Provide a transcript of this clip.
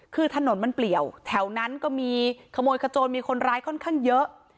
คือถนนมันเปลี่ยวแถวนั้นก็มีขโมยขโจนมีคนร้ายค่อนข้างเยอะ